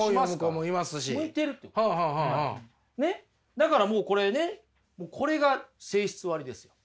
だからもうこれねこれが性質割です。